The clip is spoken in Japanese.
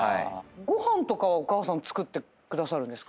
ご飯とかはお母さん作ってくださるんですか？